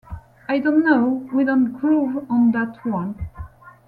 I don't know, we don't groove on that one.